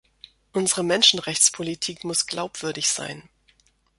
Unsere Menschenrechtspolitik muss glaubwürdig sein.